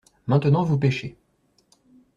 Maintenant vous pêchez.